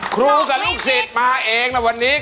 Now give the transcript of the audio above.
ครูกับลูกศิษย์มาเองนะวันนี้